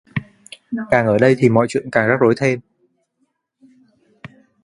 Càng ở đây thì mọi chuyện càng rắc rối thêm